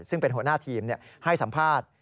ซึ่งเป็นหัวหน้าทีมให้สัมภาษณ์